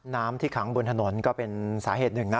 น้ำที่ขังบนถนนก็เป็นสาเหตุหนึ่งนะ